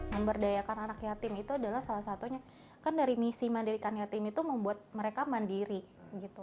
memberdayakan anak yatim itu adalah salah satunya kan dari misi mandirikan yatim itu membuat mereka mandiri gitu